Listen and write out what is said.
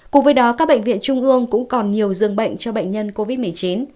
cùng với đó các bệnh viện trung ương cũng còn nhiều dương bệnh cho bệnh nhân covid một mươi chín